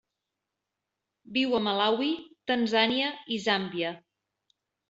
Viu a Malawi, Tanzània i Zàmbia.